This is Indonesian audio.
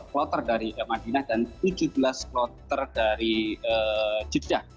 delapan belas kloter dari madinah dan tujuh belas kloter dari jawa